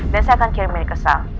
dan saya akan kirim milik sal